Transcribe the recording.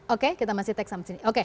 oke kita masih teks sama sini